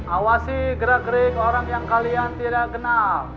awasi gerak gerik orang yang kalian tidak kenal